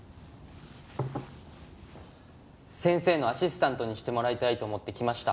先生のアシスタントにしてもらいたいと思って来ました。